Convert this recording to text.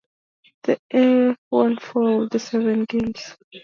The A's won four of the seven games.